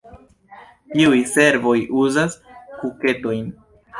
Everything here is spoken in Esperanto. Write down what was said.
Tiuj servoj uzas kuketojn.